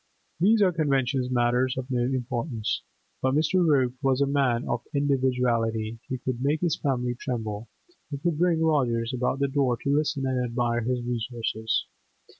These are conventions—matters of no importance. But Mr. Rope was a man of individuality; he could make his family tremble; he could bring lodgers about the door to listen and admire his resources.